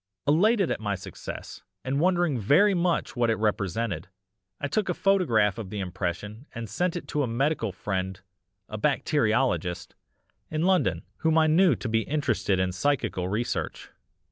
"Elated at my success and wondering very much what it represented, I took a photograph of the impression and sent it to a medical friend a bacteriologist in London, whom I knew to be interested in psychical research.